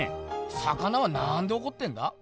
魚はなんでおこってんだ？